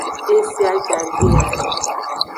Ese ajagbe a.